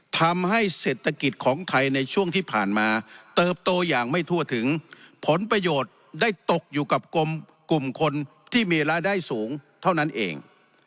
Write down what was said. ทำให้เศรษฐกิจของไทยในช่วงที่ผ่านมาเติบโตอย่างไม่ทั่วถึงผลประโยชน์ได้ตกอยู่กับกลุ่มคนที่มีรายได้สูงเท่านั้นเอง